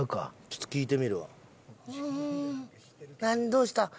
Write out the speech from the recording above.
どうした？